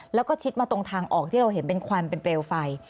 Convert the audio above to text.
แล้วก็ชิดมาตรงทางออกที่เราเห็นเป็นควันเป็นเปลวไฟ